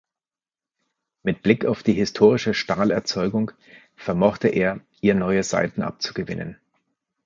Mit Blick auf die historische Stahlerzeugung vermochte er ihr neue Seiten abzugewinnen.